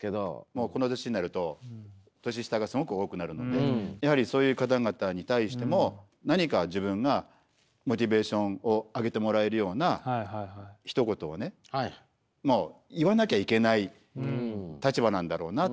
もうこの年になると年下がすごく多くなるのでやはりそういう方々に対しても何か自分がモチベーションを上げてもらえるようなひと言をねもう言わなきゃいけない立場なんだろうなって思うわけです。